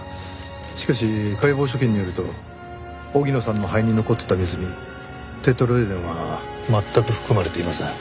しかし解剖所見によると荻野さんの肺に残ってた水にテトロエデンは全く含まれていません。